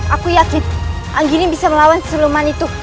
aku yakin anggi ini bisa melawan sebelumnya itu